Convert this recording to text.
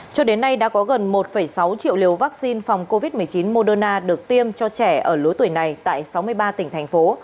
cho đến nay đã có gần một sáu triệu liều vaccine phòng covid một mươi chín moderna được tiêm cho trẻ ở lứa tuổi này tại sáu mươi ba tỉnh thành phố